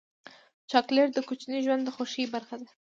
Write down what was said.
چاکلېټ د کوچني ژوند د خوښۍ برخه ده.